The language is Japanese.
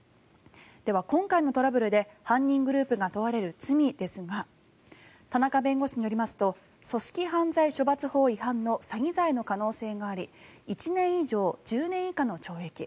では今回のトラブルで犯人グループが問われる罪ですが田中弁護士によりますと組織犯罪処罰法の詐欺罪の可能性があり１年以上１０年以下の懲役。